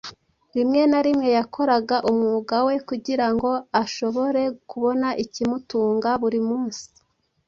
Rimwe na rimwe yakoraga umwuga we kugira ngo ashobore kubona ikimutunga buri munsi